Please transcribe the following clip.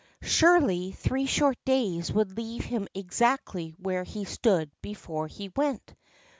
Surely three short days would leave him exactly where he stood before he went.